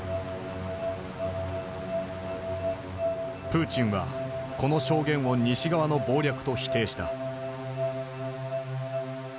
プーチンはこの証言を西側の謀略と否定した。